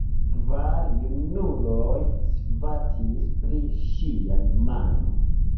Kvar junuloj svatis pri ŝia mano.